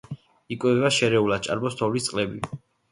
იკვებება შერეულად, ჭარბობს თოვლის წყლები.